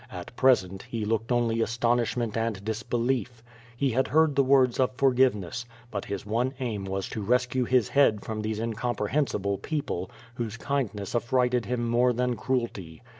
At present he looked only astonishment and disbelief. He had heard the words of forgiveness, but his one aim was to rescue his head from these incomprehensible people, whose kindness affrighted him more than cruelty.